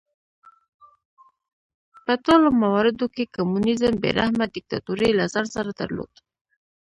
په ټولو مواردو کې کمونېزم بې رحمه دیکتاتورۍ له ځان سره درلود.